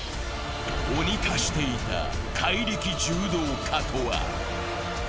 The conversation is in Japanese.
鬼化していた怪力柔道家とは？